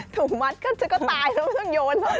ถุงมัดก็จะตายไม่ต้องโยน